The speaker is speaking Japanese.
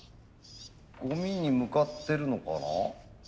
ゴミに向かってるのかな？